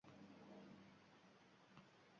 Deraza ostida atirgul ekdi.